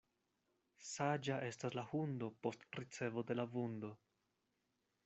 Saĝa estas la hundo post ricevo de la vundo.